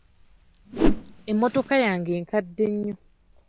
Emmotoka yange nkadde nnyo.